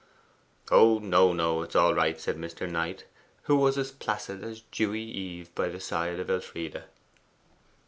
'Oh no, no. It is all right,' said Mr. Knight, who was as placid as dewy eve by the side of Elfride.